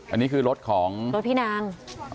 อันนี้คือรถของรถพี่นาง